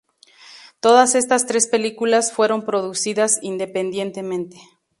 Todas estas tres películas fueron producidas independientemente.